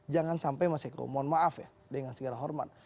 jangan sampai mas eko mohon maaf ya dengan segala hormat